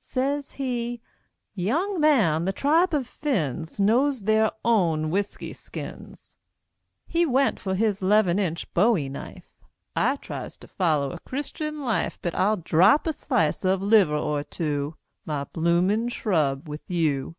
Says he, "Young man, the tribe of Phinns Knows their own whisky skins!" He went for his 'leven inch bowie knife: "I tries to foller a Christian life; But I'll drap a slice of liver or two, My bloomin' shrub, with you."